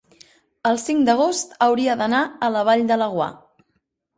El cinc d'agost hauria d'anar a la Vall de Laguar.